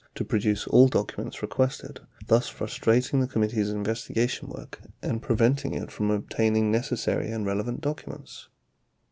1031 to produce all documents requested, thus frustrating the committee's investigation work and preventing it from obtaining necessary and relevant documents.